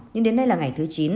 nhưng đến đây là ngày thứ chín